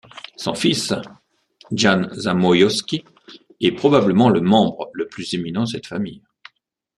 Son fils Jan Zamoyski est probablement le membre le plus éminent de cette famille.